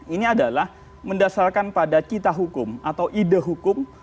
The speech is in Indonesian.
ini adalah mendasarkan pada cita hukum atau ide hukum